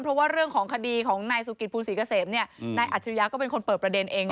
เพราะว่าเรื่องของที่ในสุกิตภูมิสีเกษมนายอัธิริยะเป็นคนเปิดประเด็นนะ